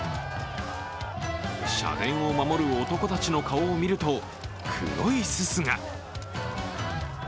社殿を守る男たちの顔を見ると、黒いすすが。